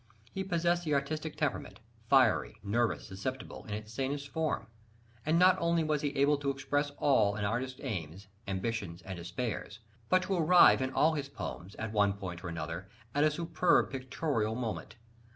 He possessed the artistic temperament fiery, nervous, susceptible in its sanest form: and not only was he able to express all an artist's aims, ambitions, and despairs, but to arrive in all his poems, at one point or other, at a superb pictorial moment.